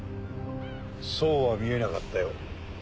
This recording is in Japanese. そうは見えなかったよ。